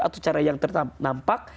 atau cara yang ternampak